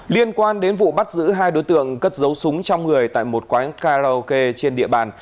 liên quan đến vụ bắt giữ hai đối tượng cất dấu súng trong người tại một quán karaoke trên địa bàn